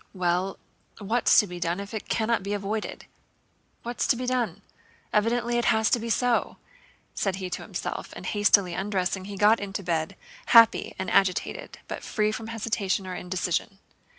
"Well, what's to be done if it cannot be avoided? What's to be done? Evidently it has to be so," said he to himself, and hastily undressing he got into bed, happy and agitated but free from hesitation or indecision.